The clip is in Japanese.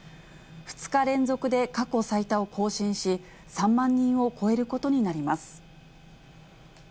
２日連続で過去最多を更新し、３万人を超えることになります。